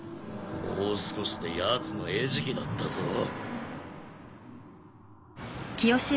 もう少しでやつの餌食だったぞ。